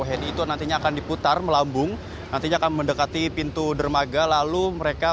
henry itu nantinya akan diputar melambung nantinya akan mendekati pintu dermaga lalu mereka